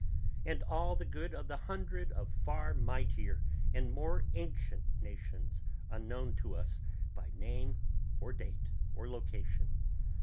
and all the good of the hundreds of far mightier and more ancient nations unknown to us by name or date or location